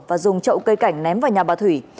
và dùng trậu cây cảnh ném vào nhà bà thủy